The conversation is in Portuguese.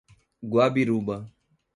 Guabiruba